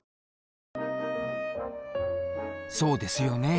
そうですよね。